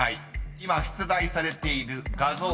［今出題されている画像］